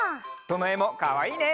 どのえもかわいいね。